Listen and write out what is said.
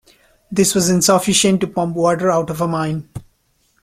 This was insufficient to pump water out of a mine.